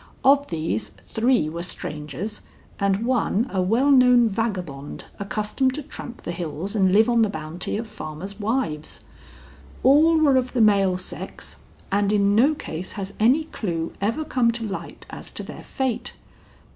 Of these, three were strangers and one a well known vagabond accustomed to tramp the hills and live on the bounty of farmers' wives. All were of the male sex, and in no case has any clue ever come to light as to their fate.